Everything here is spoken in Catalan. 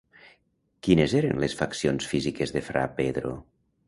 Quines eren les faccions físiques de fra Pedro?